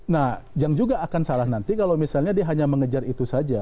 nah yang juga akan salah nanti kalau misalnya dia hanya mengejar itu saja